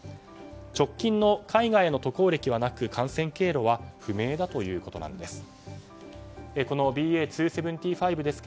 直近の海外への渡航歴はなく感染経路は不明だということです。